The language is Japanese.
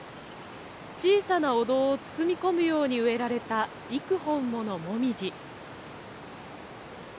小さなお堂を包み込むように植えられた幾本ものモミジ。